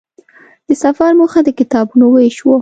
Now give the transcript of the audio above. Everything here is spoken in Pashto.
د سفر موخه د کتابونو وېش وه.